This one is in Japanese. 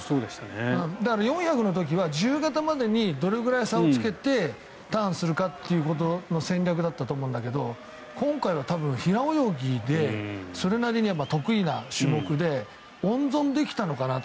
だから４００の時は自由形までにどれくらい差をつけてターンするかということの戦略だったと思うんだけど今回は多分平泳ぎでそれなりに得意な種目で温存できたのかなと。